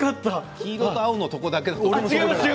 黄色と青のところだけだと思った。